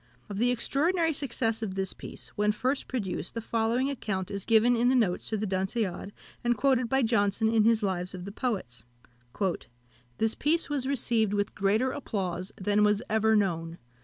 Of the extraordinary success of this piece, when first produced, the following account is given in the notes to The Dunciad, and quoted by Johnson in his Lives of the Poets: "This piece was received with greater applause than was ever known.